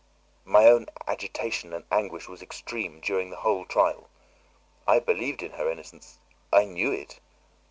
My own agitation and anguish was extreme during the whole trial. I believed in her innocence; I knew it.